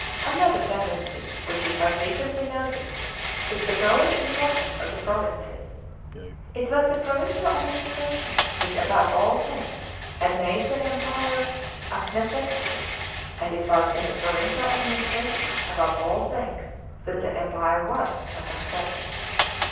§ 2. (3) Another tendency which we have frequently noticed is the growing importance of the provinces. It was the provincial administration which above all things had made the Empire a 27 B.C. ! 80 AD. WEAK POINTS IN THE EMPIRE. 565 necessity; and it was in the provincial administration above all things i hat the Empire was a success.